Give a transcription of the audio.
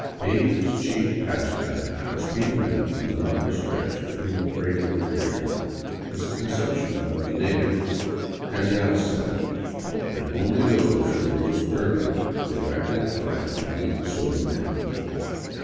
Jaen's chief pastime for speeding up the monotonous stretch between the cradle and the grave is the consumption of the native " cafiazo," and only those who rose early were likely to find a completely sober man.